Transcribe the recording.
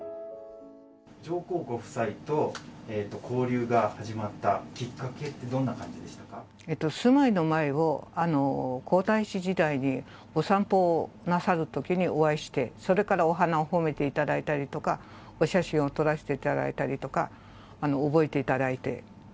上皇ご夫妻と交流が始まったきっかけってどんな感じでしたか住まいの前を、皇太子時代にお散歩をなさるときにお会いして、それから、お花を褒めていただいたりとか、お写真を撮らせていただいたりとか、覚えていただいて。